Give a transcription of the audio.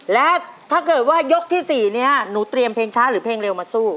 และถ้าเกิดว่ายกที่๔นี้หนูเตรียมเพลงช้าหรือเพลงเร็วมาสู้